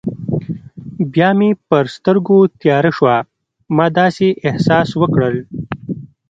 بیا مې پر سترګو تیاره شوه، ما داسې احساس وکړل.